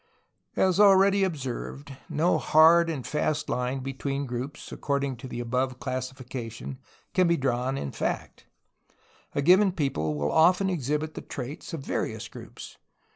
As already observed, no hard and fast line between groups, according to the above classification, can be drawn in fact. THE INDIANS 11 A given people will often exhibit the traits of various groups.